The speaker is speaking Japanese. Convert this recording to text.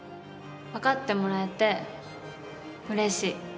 分かってもらえてうれしい。